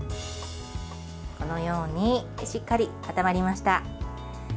このようにしっかり固まりました。